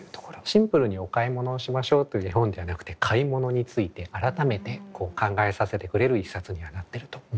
シンプルにお買い物をしましょうという絵本ではなくて買い物について改めて考えさせてくれる一冊にはなってると思いますね。